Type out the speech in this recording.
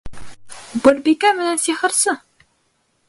— Убырбикә менән Сихырсы!